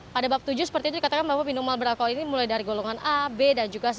pada bab tujuh seperti itu dikatakan bahwa minuman beralkohol ini mulai dari golongan a b dan juga c